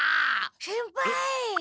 先輩！